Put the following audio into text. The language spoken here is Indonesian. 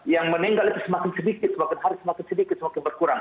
yang meninggal itu semakin sedikit semakin hari semakin sedikit semakin berkurang